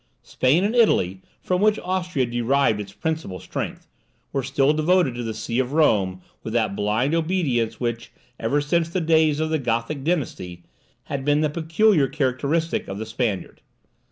Spain and Italy, from which Austria derived its principal strength, were still devoted to the See of Rome with that blind obedience which, ever since the days of the Gothic dynasty, had been the peculiar characteristic of the Spaniard.